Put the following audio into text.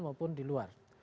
maupun di luar